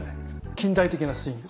近代的なスイング。